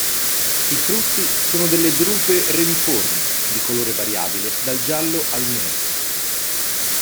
I frutti sono delle drupe reniformi di colore variabile dal giallo al nero.